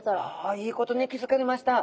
あいいことに気づかれました。